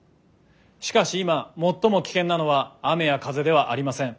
しかし今最も危険なのは雨や風ではありません。